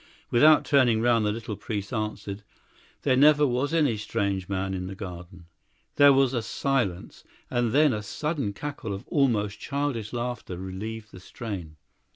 Without turning round, the little priest answered: "There never was any strange man in the garden." There was a silence, and then a sudden cackle of almost childish laughter relieved the strain.